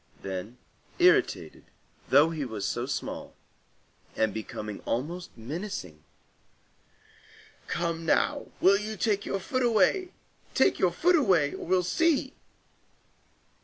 Then irritated, though he was so small, and becoming almost menacing:— "Come now, will you take your foot away? Take your foot away, or we'll see!"